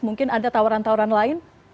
mungkin ada tawaran tawaran lain